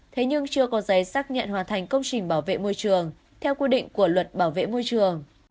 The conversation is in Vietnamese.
thế nhưng chưa có giấy xác nhận hoàn thành công trình bảo vệ môi trường theo quy định của luật bảo vệ môi trường